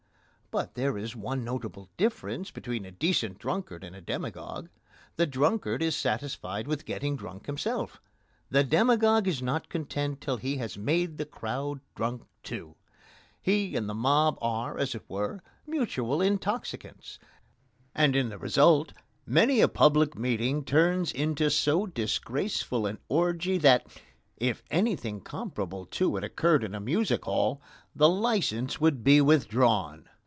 But there is one notable difference between a decent drunkard and a demagogue. The drunkard is satisfied with getting drunk himself. The demagogue is not content till he has made the crowd drunk too. He and the mob are, as it were, mutual intoxicants, and in the result many a public meeting turns into so disgraceful an orgy that, if anything comparable to it occurred in a music hall, the licence would be withdrawn.